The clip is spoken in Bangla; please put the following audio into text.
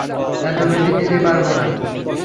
এত বেশি দিতে পারব না।